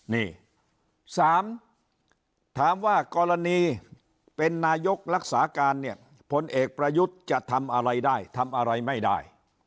นี่๓ถามว่ากรณีเป็นนายกรักษาการเนี่ยพลเอกประยุทธ์จะทำอะไรได้ทำอะไรไม่ได้